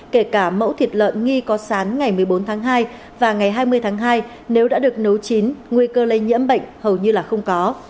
kể cả mẫu thịt lợn nghi có sán ngày một mươi bốn tháng hai và ngày hai mươi tháng hai nếu đã được nấu chín nguy cơ lây nhiễm bệnh hầu như là không có